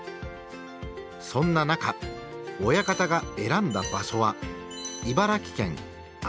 そんな中親方が選んだ場所は茨城県阿見町。